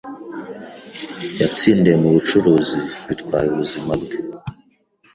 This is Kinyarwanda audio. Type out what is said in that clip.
Yatsindiye mu bucuruzi bitwaye ubuzima bwe.